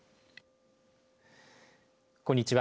こんにちは。